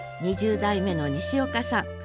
２０代目の西岡さん